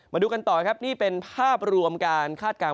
มาดูกันต่อครับนี่เป็นภาพรวมการคาดการณ